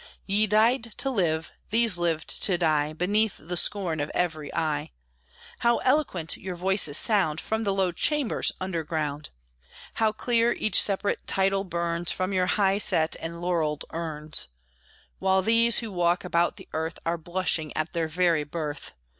Ye died to live, these lived to die, Beneath the scorn of every eye! How eloquent your voices sound From the low chambers under ground! How clear each separate title burns From your high set and laurelled urns! While these, who walk about the earth, Are blushing at their very birth!